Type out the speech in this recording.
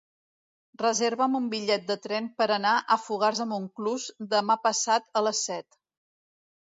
Reserva'm un bitllet de tren per anar a Fogars de Montclús demà passat a les set.